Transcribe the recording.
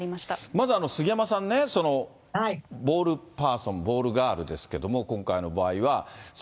まず杉山さんね、ボールパーソン、ボールガールですけれども、今回の場合は。